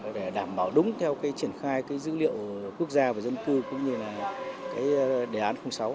để đảm bảo đúng theo cái triển khai cái dữ liệu quốc gia và dân cư cũng như là cái đề án sáu